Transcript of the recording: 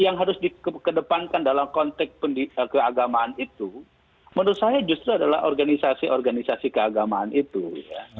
yang harus dikedepankan dalam konteks keagamaan itu menurut saya justru adalah organisasi organisasi keagamaan itu ya